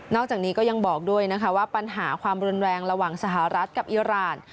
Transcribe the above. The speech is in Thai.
จากนี้ก็ยังบอกด้วยนะคะว่าปัญหาความรุนแรงระหว่างสหรัฐกับอิราณ